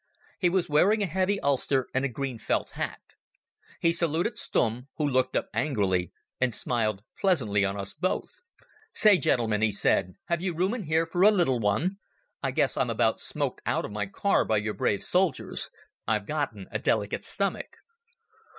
He was wearing a heavy ulster and a green felt hat. He saluted Stumm, who looked up angrily, and smiled pleasantly on us both. "Say, gentlemen," he said, "have you room in here for a little one? I guess I'm about smoked out of my car by your brave soldiers. I've gotten a delicate stomach